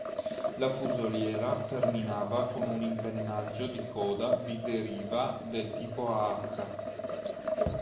La fusoliera terminava con un impennaggio di coda bideriva del tipo a "H".